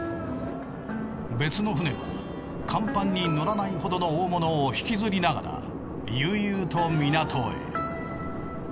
別の船は甲板に載らないほどの大物を引きずりながら悠々と港へ。